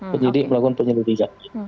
penyidik melakukan penyelidikan